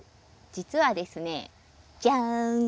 実はですねジャーン！